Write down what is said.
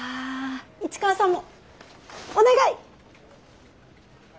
市川さんもお願い！